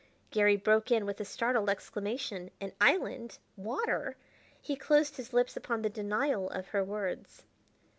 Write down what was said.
Garry broke in with a startled exclamation. An island! Water! He closed his lips upon the denial of her words.